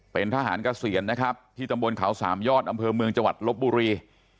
เป็นทหารเกษียณนะครับที่ตำบลเขาสามยอดอำเภอเมืองจังหวัดลบบุรี